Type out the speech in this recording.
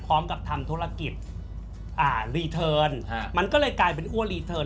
พร้อมกับทำธุรกิจอ่ารีเทิร์นมันก็เลยกลายเป็นอ้วรีเทิร์น